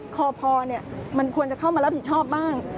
คอพอมันควรจะเข้ามารับผิดชอบบ้าง